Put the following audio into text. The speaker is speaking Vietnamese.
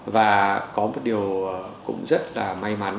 và có một điều cũng rất là may mắn